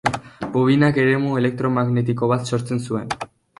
Bobinak eremu elektromagnetiko bat sortzen zuen.